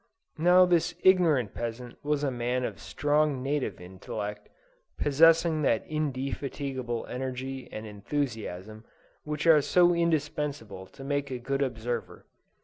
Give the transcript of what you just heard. Now this ignorant peasant was a man of strong native intellect, possessing that indefatigable energy and enthusiasm which are so indispensable to make a good observer.